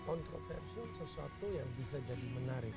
kontroversi sesuatu yang bisa jadi menarik